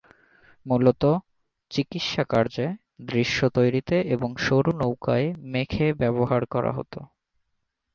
মূলতঃ চিকিৎসা কার্যে, দৃশ্য তৈরিতে এবং সরু নৌকায় মেখে ব্যবহার করা হতো।